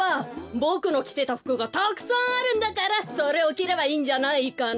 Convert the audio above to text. ボクのきてたふくがたくさんあるんだからそれをきればいいんじゃないかな？